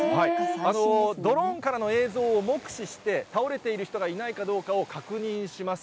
ドローンからの映像を目視して、倒れている人がいないかどうかを確認します。